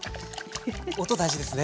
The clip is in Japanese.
音大事ですね。